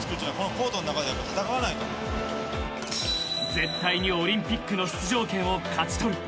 ［絶対にオリンピックの出場権を勝ち取る］